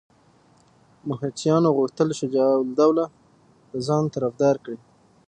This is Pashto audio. مرهټیانو غوښتل شجاع الدوله د ځان طرفدار کړي.